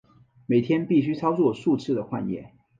每天必须操作数次的换液。